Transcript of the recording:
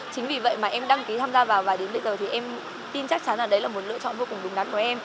chính vì vậy mà em đăng ký tham gia vào và đến bây giờ thì em tin chắc chắn là đấy là một lựa chọn vô cùng đúng đắn của em